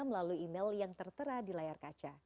melalui email yang tertera di layar kaca